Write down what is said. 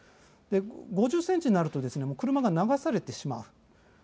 ５０ｃｍになると車が流されてしまう。